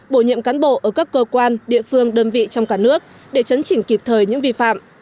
bổ nhiệm cán bộ ở các cơ quan địa phương đơn vị trong cả nước để chấn chỉnh kịp thời những vi phạm